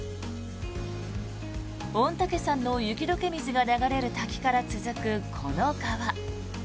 御嶽山の雪解け水が流れる滝から続くこの川。